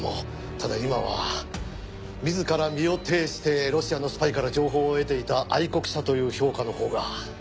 ただ今は「自ら身を挺してロシアのスパイから情報を得ていた愛国者」という評価のほうが。